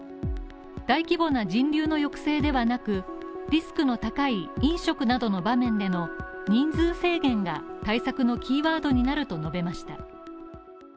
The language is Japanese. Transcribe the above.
大規模な人流の抑制ではなく、リスクの高い飲食などの場面での人数制限が対策のキーワードになると述べました。